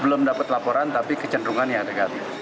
belum dapat laporan tapi kecenderungannya negatif